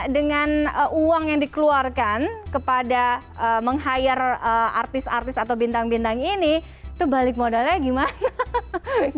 dengan uang yang dikeluarkan kepada meng hire artis artis atau bintang bintang ini itu balik modalnya gimana